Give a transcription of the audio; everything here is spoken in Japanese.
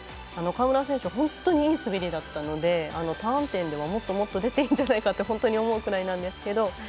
川村選手、本当にいい滑りだったのでターン点ではもっともっと出ていいんじゃないかって本当に思うくらいなんですけど。